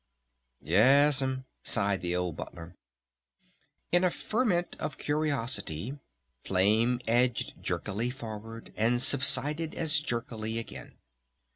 "Yes'm," sighed the old Butler. In a ferment of curiosity, Flame edged jerkily forward, and subsided as jerkily again.